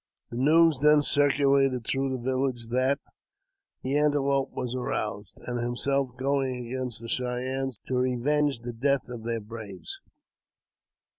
The news then circulated through the village that the Antelope was aroused, and himself going against the Cheyennes to revenge the death of their braves.